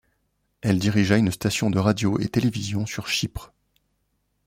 Elle dirigea une station de radio et télévision sur Chypre.